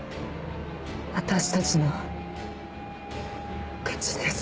私たちの勝ちです。